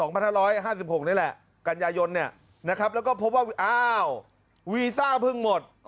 ๑๒๕๖ปีนี่แหละกันยายนเนี่ยแล้วก็พบว่าวีซ่าพึ่งหมด